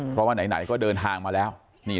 เพราะว่าไหนก็เดินทางมาแล้ว